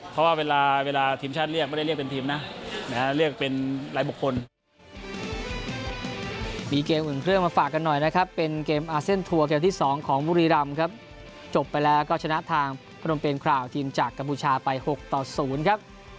เพราะว่าเวลาทีมชาติเรียกไม่ได้เรียกเป็นทีมนะเรียกเป็นรายบุคคล